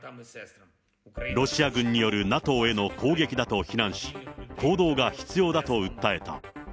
ロシア軍によるＮＡＴＯへの攻撃だと非難し、行動が必要だと訴えた。